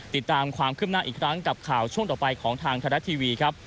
ติดตามความคืบหน้าอีกครั้งกับข่าวหลังช่วงต่อไปของธรรมดิจาคับ